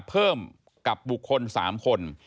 เพิ่มกับบุคคล๓คน